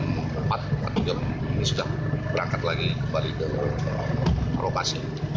jam empat atau jam ini sudah berangkat lagi kembali ke lokasi